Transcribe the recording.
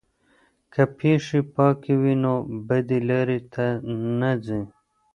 که پښې پاکې وي نو بدې لارې ته نه ځي.